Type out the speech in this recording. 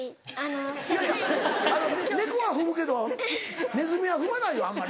いやいや猫は踏むけどネズミは踏まないよあんまり。